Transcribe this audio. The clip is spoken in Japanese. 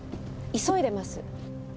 急いでます！